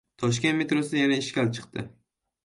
Toshkent metrosida yana «ishkal» chiqdi